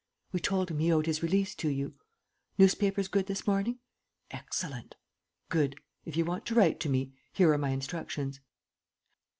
"We told him he owed his release to you." "Newspapers good this morning?" "Excellent." "Good. If you want to write to me, here are my instructions."